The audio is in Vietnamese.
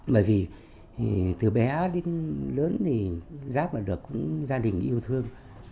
bởi vì từ bé đến lớn thì giác là được gia đình yêu thương